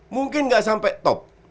mungkin gak sampai top